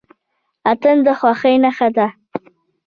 اتن د خوښۍ نښه ده.